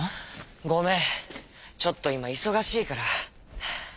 「ごめんちょっといまいそがしいから」。